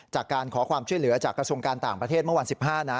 จากการขอความช่วยเหลือจากกระทรวงการต่างประเทศเมื่อวัน๑๕นะ